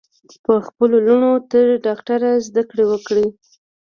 په خپلو لوڼو تر دوکترا ذدکړي وکړئ